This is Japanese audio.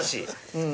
うん。